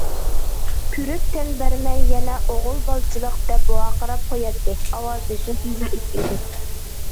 كۈرۈك تەن بەرمەي يەنە ئوغۇل بالىچىلىق، دەپ ۋارقىراپ قوياتتى، ئاۋازى شۇنچە زەئىپ ئىدى.